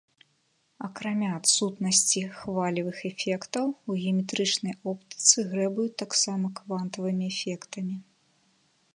Акрамя адсутнасці хвалевых эфектаў, у геаметрычнай оптыцы грэбуюць таксама квантавымі эфектамі.